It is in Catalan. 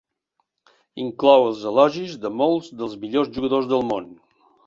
Inclou els elogis de molts dels millors jugadors del món.